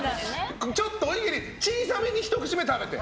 ちょっとおにぎり小さめにひと口目食べて。